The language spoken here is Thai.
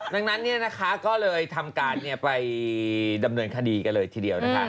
ดังนั้นก็เลยทำการไปดำเนินคดีกันเลยทีเดียวนะคะ